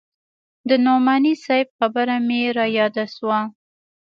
د نعماني صاحب خبره مې راياده سوه.